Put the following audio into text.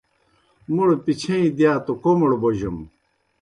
موْڑپِچَھئیں دِیا توْ کوْمڑ بوجَم۔